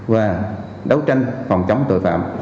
và đấu tranh phòng chống tội phạm